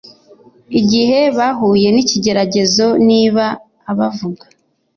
igihe bahuye n’ikigeragezo. Niba abavuga